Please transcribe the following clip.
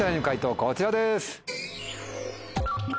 こちらです。